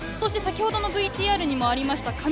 先ほどのＶＴＲにもありました